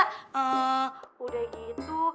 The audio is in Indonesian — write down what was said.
hmm udah gitu